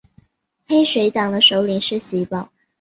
黑水党的首领是徐保。